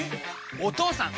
お義父さん！